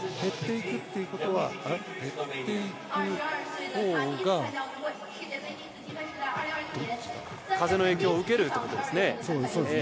減っていくほうが風の影響を受けるということですね。